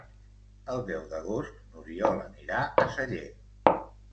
El deu d'agost n'Oriol anirà a Sallent.